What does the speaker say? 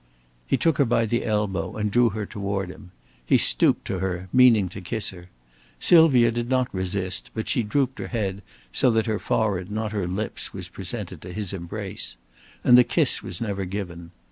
He took her by the elbow and drew her toward him. He stooped to her, meaning to kiss her. Sylvia did not resist, but she drooped her head so that her forehead, not her lips, was presented to his embrace. And the kiss was never given.